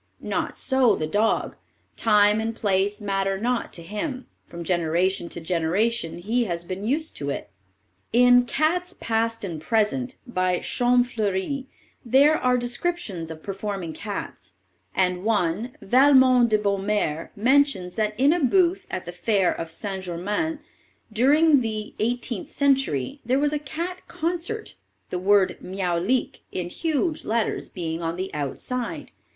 Not so the dog; time and place matter not to him; from generation to generation he has been used to it. In "Cats Past and Present," by Champfleury, there are descriptions of performing cats, and one Valmont de Bomare mentions that in a booth at the fair of St. Germain's, during the eighteenth century, there was a cat concert, the word "Miaulique," in huge letters, being on the outside.